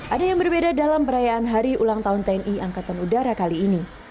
ada yang berbeda dalam perayaan hari ulang tahun tni angkatan udara kali ini